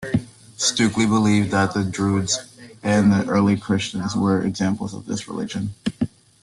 Stukeley believed that the Druids and the early Christians were examples of this religion.